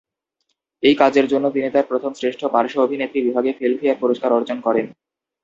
এই কাজের জন্য তিনি তার প্রথম শ্রেষ্ঠ পার্শ্ব অভিনেত্রী বিভাগে ফিল্মফেয়ার পুরস্কার অর্জন করেন।